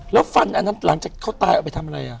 แล้วฟันอันนั้นหลังจากเขาตายเอาไปทำอะไรอ่ะ